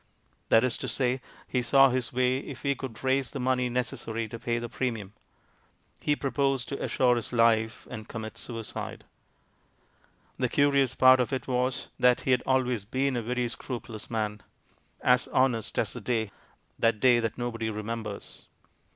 That is to say, he saw his way if he could raise the money necessary to pay the premium; he proposed to assure his life and commit suicide. The curious part of it was, that he had always been a very scrupulous man, "as honest as the day" — that day that nobody remembers.